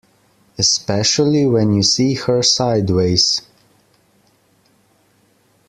Especially when you see her sideways.